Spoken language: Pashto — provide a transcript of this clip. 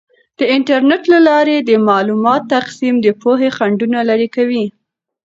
د انټرنیټ له لارې د معلوماتو تقسیم د پوهې خنډونه لرې کوي.